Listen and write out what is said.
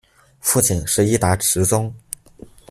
父亲是伊达持宗。